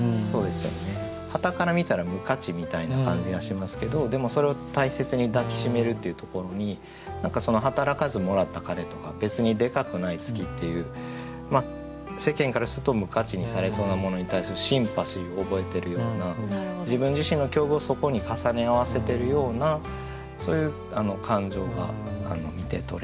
はたから見たら無価値みたいな感じがしますけどでもそれを大切に抱き締めるっていうところに「働かずもらった金」とか「別にデカくない月」っていう世間からすると無価値にされそうなものに対するシンパシーを覚えてるような自分自身の境遇をそこに重ね合わせてるようなそういう感情が見てとれて。